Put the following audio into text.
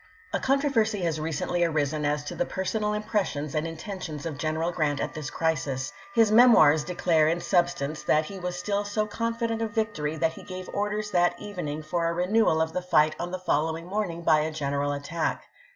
A controversy has recently arisen as to the per sonal impressions and intentions of General Grant at this crisis. His "Memoirs" declare in substance that he was still so confident of victory that he gave orders that evening for a renewal of the fight on the following morning by a general attack.